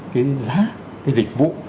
cái giá cái dịch vụ